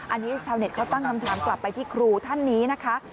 อันนี้ชาวเน็ตเขาตั้งคำถามกลับไปที่ครูท่านนี้นะคะ